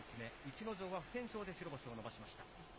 逸ノ城は不戦勝で白星を伸ばしました。